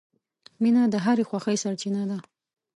• مینه د هرې خوښۍ سرچینه ده.